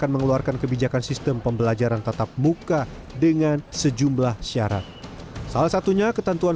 mengeluarkan sistem pembelajaran tetap buka dengan sejumlah syarat salah satunya ketentuan